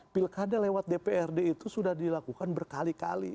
pilkada lewat dprd itu sudah dilakukan berkali kali